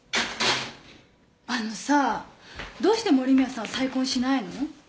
あのさぁどうして森宮さんは再婚しないの？